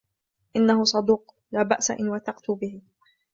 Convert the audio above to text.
إنه صدوق. لا بأس إن وثقتُ به.